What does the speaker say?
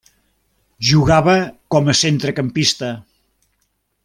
Jugava com a centrecampista.